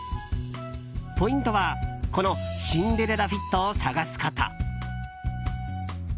ポイントは、このシンデレラフィットを探すこと。